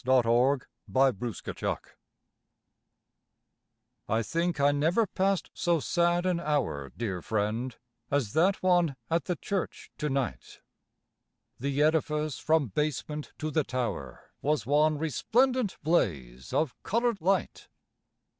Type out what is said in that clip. NOTHING BUT STONES I think I never passed so sad an hour, Dear friend, as that one at the church to night. The edifice from basement to the tower Was one resplendent blaze of coloured light.